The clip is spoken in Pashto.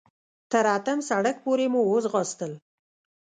تر اتم سړک پورې مو وځغاستل.